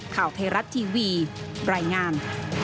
ข่าวไทยรัฐทีวีรายงาน